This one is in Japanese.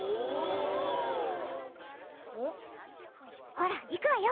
ほらいくわよ！